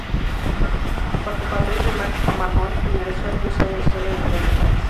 Bajo Patrice de Mac Mahon ingresó al Museo de Historia natural de París.